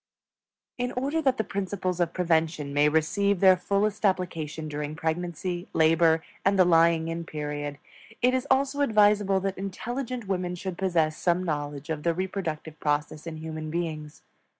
In order that the principles of prevention may receive their fullest application during pregnancy, labor, and the lying in period, it is also advisable that intelligent women should possess some knowledge of the Reproductive Process in human beings.